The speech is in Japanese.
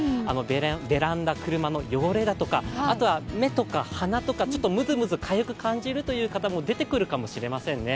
ベランダ、車の汚れだとかあとは目とか鼻とかちょっとむずむずかゆく感じるという方も出てくるかもしれませんね。